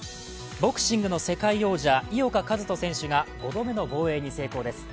ボクシングの世界王者、井岡一翔選手が５度目の防衛に成功です。